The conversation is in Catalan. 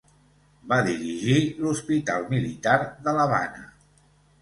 Va dirigir l'hospital militar de l'Havana.